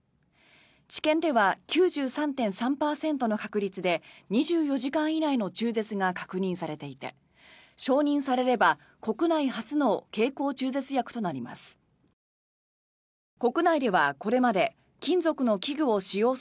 治験では９３．３％の確率で２４時間以内の中絶が確認されていて承認されれば国内初の経口中絶薬となります。